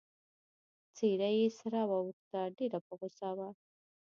څېره يې سره واوښته، ډېره په غوسه وه.